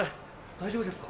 大丈夫ですか？